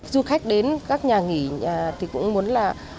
du khách đến các nhà nghỉ nhà thì cũng muốn là